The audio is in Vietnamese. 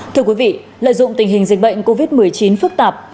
thưa quý vị lợi dụng tình hình dịch bệnh covid một mươi chín phức tạp